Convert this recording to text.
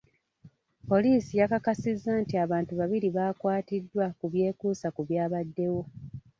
Poliisi yakakasizza nti abantu babiri baakwatiddwa ku byekuusa ku byabaddewo.